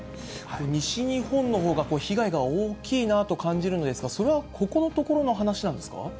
西日本のほうが被害が大きいなと感じるのですが、それはここのところの話なんですか。